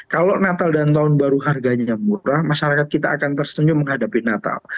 kalau natal dan tahun baru harganya murah masyarakat kita akan tersenyum menghadapi natal